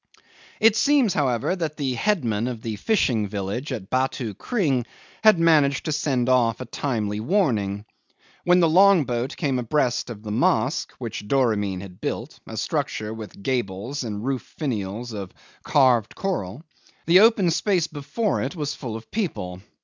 'It seems, however, that the headman of the fishing village at Batu Kring had managed to send off a timely warning. When the long boat came abreast of the mosque (which Doramin had built: a structure with gables and roof finials of carved coral) the open space before it was full of people.